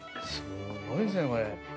すごいですね、これ。